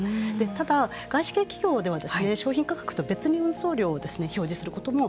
ただ外資系企業では商品価格と別に運送料を表示することもあります。